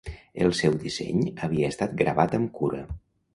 El seu disseny havia estat gravat amb cura.